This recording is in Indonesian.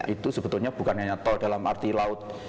itu sebetulnya bukan hanya tol dalam arti laut